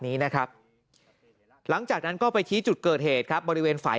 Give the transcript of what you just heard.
นี้นะครับหลังจากนั้นก็ไปชี้จุดเกิดเหตุครับบริเวณฝ่าย